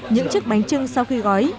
những chất bánh trưng sau khi gói